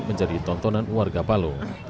menjadi tontonan warga palu